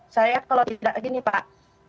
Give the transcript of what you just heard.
saya kalau tidak gini pak